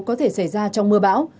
có thể xảy ra trong mưa bão